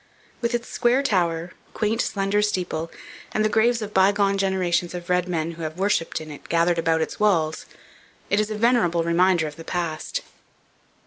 With its square tower, quaint slender steeple, and the graves of bygone generations of red men who have worshipped in it gathered about its walls, it is a venerable reminder of the past.